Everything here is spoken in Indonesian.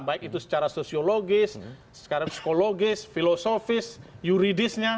baik itu secara sosiologis secara psikologis filosofis yuridisnya